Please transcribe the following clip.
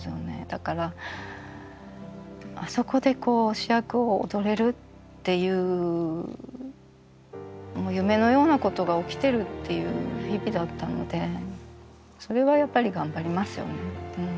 だからあそこで主役を踊れるっていうもう夢のようなことが起きてるっていう日々だったのでそれはやっぱり頑張りますよね。